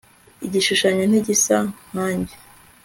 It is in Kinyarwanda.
Igishushanyo ntigisa nkanjye